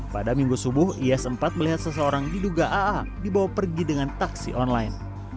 pada minggu subuh ia sempat melihat seseorang diduga aa dibawa pergi dengan taksi online